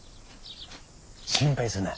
心配すな。